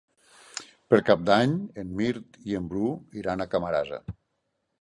Per Cap d'Any en Mirt i en Bru iran a Camarasa.